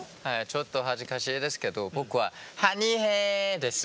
ちょっと恥ずかしいですけど僕は「ハニヘー」です。